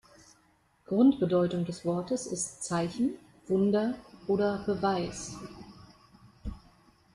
Grundbedeutung des Wortes ist „Zeichen“, „Wunder“ oder „Beweis“.